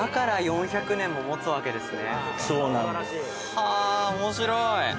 はぁ面白い！